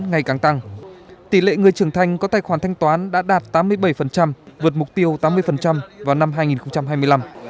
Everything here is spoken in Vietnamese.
ngày càng tăng tỷ lệ người trưởng thanh có tài khoản thanh toán đã đạt tám mươi bảy vượt mục tiêu tám mươi vào năm hai nghìn hai mươi năm